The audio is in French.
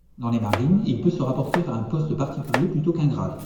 Dans les marines, il peut se rapporter à un poste particulier plutôt qu'un grade.